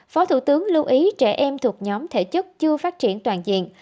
phó thủ tướng lưu ý trẻ em thuộc nhóm thể chất chưa phát triển toàn diện